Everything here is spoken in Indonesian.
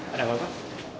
ada apa pak